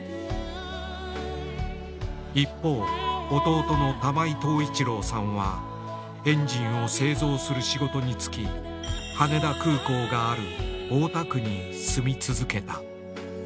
一方弟の玉井藤一郎さんはエンジンを製造する仕事に就き羽田空港がある大田区に住み続けた。